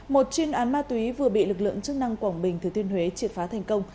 một chuyên án ma túy vừa bị lực lượng chức năng quảng bình thứ tuyên huế triệt phá thành công